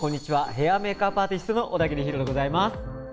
ヘア＆メイクアップアーティストの小田切ヒロでございます。